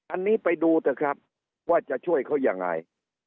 อันนี้ไปดูเถอะครับว่าจะช่วยเขายังไง